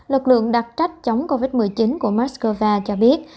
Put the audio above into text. lực lượng đặc trách chống covid một mươi chín của moscow cho biết